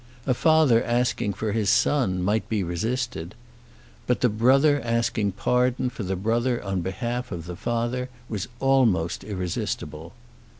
A father asking for his son might be resisted. But the brother asking pardon for the brother on behalf of the father was almost irresistible.